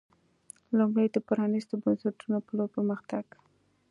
لومړی د پرانېستو بنسټونو په لور پر مخ تګ